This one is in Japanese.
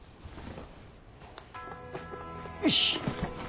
よし！